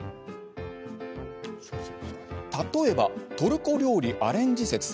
例えば、トルコ料理アレンジ説。